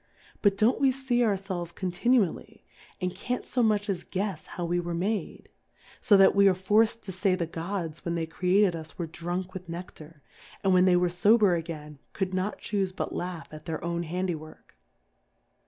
But don't we fee our felves continually, and can't fo much as guefs how we were made ? So that we are forc'd to fay the Gods when they created us were drunk with Neciar ; and when they were fober again, could not chufe but laugh at their own Handy work.